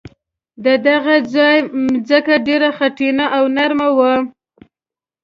د دغه ځای ځمکه ډېره خټینه او نرمه وه.